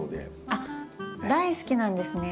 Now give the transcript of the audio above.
あっ大好きなんですね。